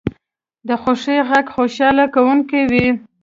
د خوښۍ غږ خوشحاله کوونکی وي